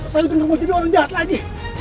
saya udah mau jadi orang jahat lagi